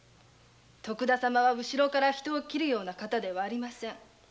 徳田様は後ろから人を切るような方ではありません。